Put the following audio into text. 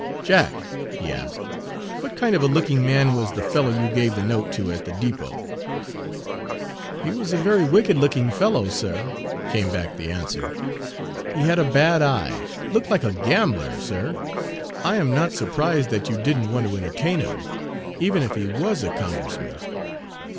"Jack," he asked, "what kind of a looking man was the fellow you gave the note to at the depot?" "He was a very wicked looking fellow, sir," came back the answer. "He had a bad eye, looked like a gambler, sir. I am not surprised that you did n't want to entertain him, even if he was a Congressman."